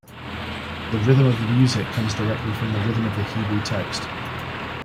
The rhythm of the music comes directly from the rhythm of the Hebrew text.